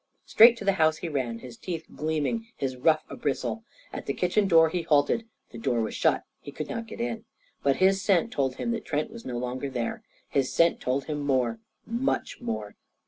Straight to the house he ran, his teeth gleaming, his ruff abristle. At the kitchen door he halted. The door was shut; he could not get in. But his scent told him Trent was no longer there. His scent told him more much more.